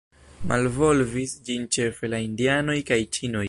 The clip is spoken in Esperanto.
Malvolvis ĝin ĉefe la Indianoj kaj Ĉinoj.